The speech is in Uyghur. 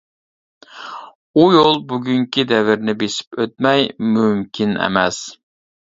ئۇ يول بۈگۈنكى دەۋرنى بېسىپ ئۆتمەي مۇمكىن ئەمەس.